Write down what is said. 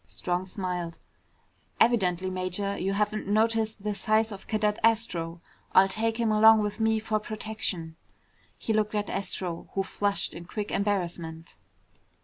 Strong smiled. "Evidently, Major, you haven't noticed the size of Cadet Astro. I'll take him along with me for protection." He looked at Astro, who flushed in quick embarrassment.